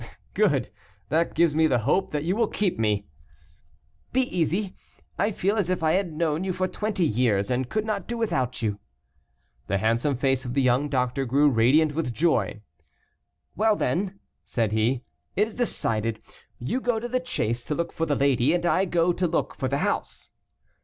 "Good; that gives me the hope that you will keep me." "Be easy, I feel as if I had known you for twenty years, and could not do without you." The handsome face of the young doctor grew radiant with joy. "Well, then," said he, "it is decided; you go to the chase to look for the lady, and I go to look for the house."